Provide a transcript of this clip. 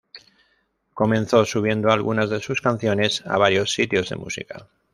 Comenzó subiendo algunas de sus canciones a varios sitios de música.